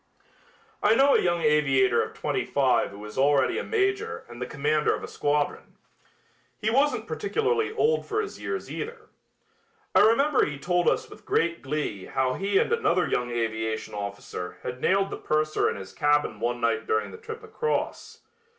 I know a young aviator of twenty five who is already a major and the commander of a squadron. He wasn't particularly old for his years, either. I remember he told us with great glee how he and another young aviation officer had nailed the purser in his cabin one night during the trip across.